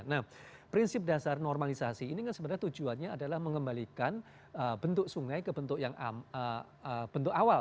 nah prinsip dasar normalisasi ini kan sebenarnya tujuannya adalah mengembalikan bentuk sungai ke bentuk awal